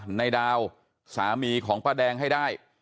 ในดาวสามีของป้าแดงให้ได้